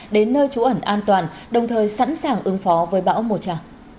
đến nơi trú ẩn an toàn đồng thời sẵn sàng ứng phó với bão mocha